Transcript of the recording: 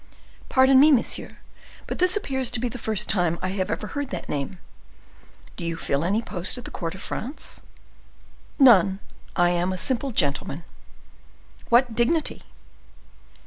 "Pardon me, monsieur, but this appears to be the first time I have ever heard that name. Do you fill any post at the court of France?" "None; I am a simple gentleman." "What dignity?"